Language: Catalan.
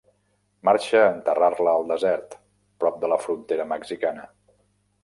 Marxa a enterrar-la al desert, prop de la frontera mexicana.